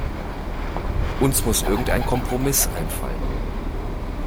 Uns muss irgendein Kompromiss einfallen.